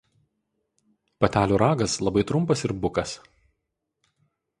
Patelių ragas labai trumpas ir bukas.